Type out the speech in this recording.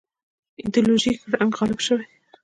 ایدیالوژیک رنګ غالب شوی.